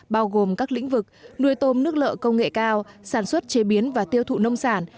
bao gồm các lĩnh vực nuôi tôm nước lợ công nghệ cao sản xuất chế biến và tiêu thụ nông sản